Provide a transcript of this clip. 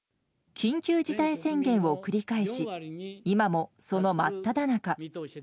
緊急事態宣言を繰り返し、今もその真っただ中。